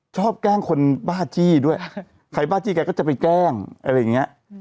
ชอบแกล้งคนบลาดจี้ด้วยใครบลาดจี้แกก็จะไปแกล้ง